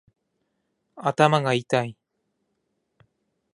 頭がいたい